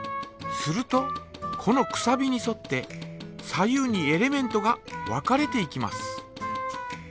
するとこのくさびにそって左右にエレメントが分かれていきます。